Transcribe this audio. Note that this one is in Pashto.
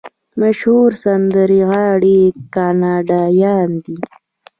مشهور سندرغاړي کاناډایان دي.